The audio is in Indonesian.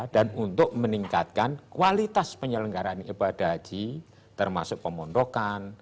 dan untuk meningkatkan kualitas penyelenggaraan ibadah haji termasuk pemundokan